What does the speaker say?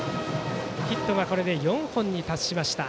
ヒットがこれで４本に達しました。